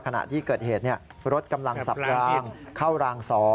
ขณะที่เกิดเหตุรถกำลังสับรางเข้าราง๒